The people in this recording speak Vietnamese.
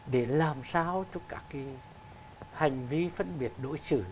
để làm sao cho các cái hành vi phân biệt đối xử